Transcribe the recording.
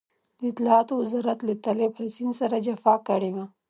د اطلاعاتو وزارت له طالب حسين سره جفا کړې وه.